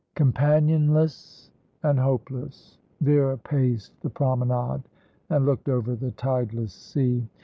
Companionless and hopeless, Vera paced the promenade, and looked over the tideless sea.